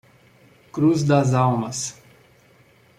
Cruz Das Almas